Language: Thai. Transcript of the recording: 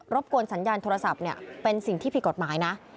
บกวนสัญญาณโทรศัพท์เป็นสิ่งที่ผิดกฎหมายนะ